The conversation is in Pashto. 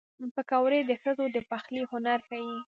پکورې د ښځو د پخلي هنر ښيي